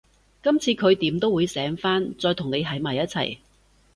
今次佢點都會醒返，再同你喺埋一齊